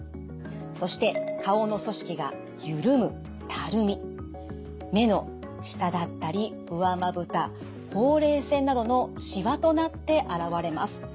そして顔の組織が緩む目の下だったり上まぶたほうれい線などのしわとなって現れます。